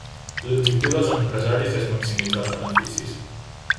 L'objectiu dels empresaris és maximitzar els beneficis.